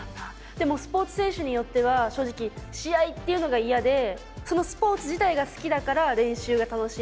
でもスポーツ選手によっては正直試合っていうのが嫌でそのスポーツ自体が好きだから練習が楽しい。